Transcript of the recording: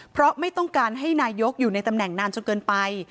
เพราะไม่ต้องการให้นายกอยู่ในตำแหน่งนานจนเกินไป